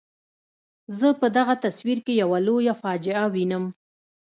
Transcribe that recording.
زه په دغه تصویر کې یوه لویه فاجعه وینم.